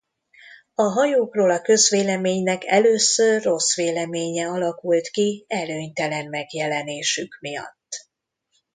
A hajókról a közvéleménynek először rossz véleménye alakult ki előnytelen megjelenésük miatt.